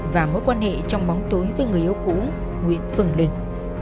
và mối quan hệ trong bóng tối với người yêu cũ nguyễn phương linh